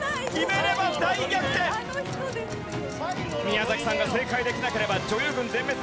宮崎さんが正解できなければ女優軍全滅！